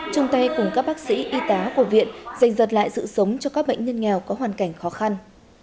chung tay cùng các bác sĩ y tá của viện dành giật lại sự sống cho các bệnh nhân nghèo có hoàn cảnh khó khăn